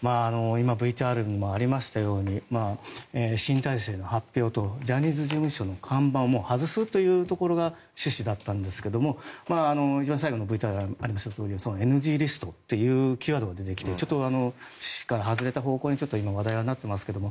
今、ＶＴＲにもありましたように新体制の発表とジャニーズ事務所の看板をもう外すというところが趣旨だったんですが一番最後のＶＴＲにありましたとおりＮＧリストというキーワードが出てきてちょっと趣旨から外れた方向に今、話題となっていますけども